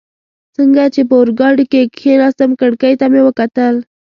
څنګه چي په اورګاډي کي کښېناستم، کړکۍ ته مې وکتل.